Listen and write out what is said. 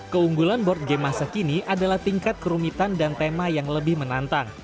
keunggulan board game masa kini adalah tingkat kerumitan dan tema yang lebih menantang